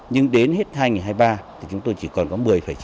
nhưng đến hết hai nghìn hai mươi ba thì chúng tôi chỉ còn có chín chín mươi tám